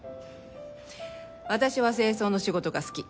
私は清掃の仕事が好き。